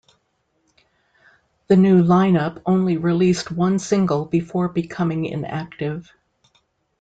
The new line-up only released one single before becoming inactive.